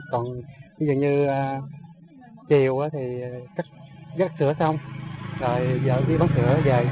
còn dường như chiều thì cắt sữa xong rồi giờ đi bán sữa về